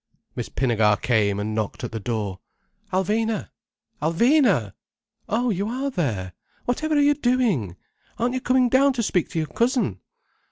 Miss Pinnegar came and knocked at the door. "Alvina! Alvina! Oh, you are there! Whatever are you doing? Aren't you coming down to speak to your cousin?"